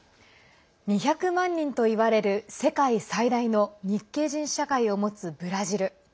２００万人といわれる世界最大の日系人社会を持つブラジル。